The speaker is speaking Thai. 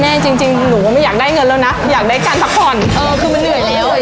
จริงจริงหนูก็ไม่อยากได้เงินแล้วนะอยากได้การพักผ่อนเออคือมันเหนื่อยแล้ว